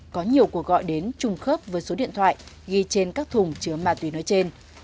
có nhiều cuộc gọi đến trùng khớp với số điện thoại ghi trên các thùng chứa ma túy nói trên